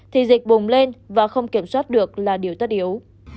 thì dịch bùng lên và không kiểm soát được là điều tất yếu